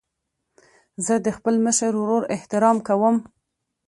زه د خپل مشر ورور احترام کوم.